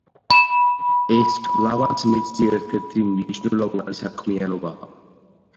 ეს კვლავაც მისი ერთ-ერთი მნიშვნელოვანი საქმიანობაა.